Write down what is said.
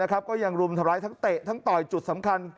ก็ยังรุมทำร้ายทั้งเตะทั้งต่อยจุดสำคัญ